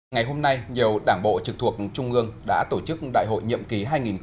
ngày hôm nay nhiều đảng bộ trực thuộc trung ương đã tổ chức đại hội nhiệm ký hai nghìn hai mươi hai nghìn hai mươi năm